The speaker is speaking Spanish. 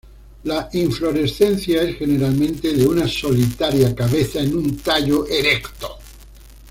La inflorescencia es generalmente de una solitaria cabeza en un tallo erecto.